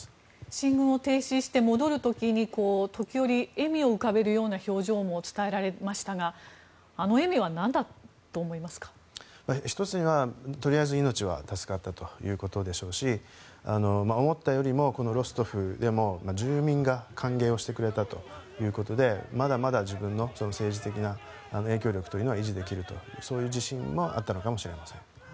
進軍を停止して戻る時に時折笑みを浮かべるような表情も伝えられましたが１つにはとりあえず命は助かったということでしょうし思ったよりもこのロストフでも住民が歓迎をしてくれたということでまだまだ自分の政治的な影響力というのは維持できるとそういう自信もあったのかもしれません。